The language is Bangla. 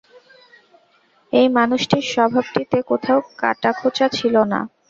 এই মানুষটির স্বভাবটিতে কোথাও কাঁটাখোঁচা ছিল না।